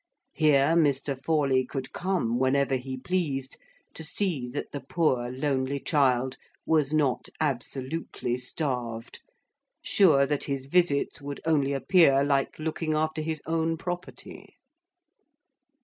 Here, Mr. Forley could come, whenever he pleased, to see that the poor lonely child was not absolutely starved; sure that his visits would only appear like looking after his own property.